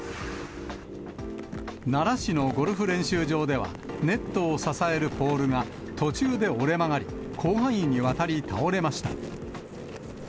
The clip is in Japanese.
奈良市のゴルフ練習場では、ネットを支えるポールが途中で折れ曲がり、広範囲にわたり、倒れました。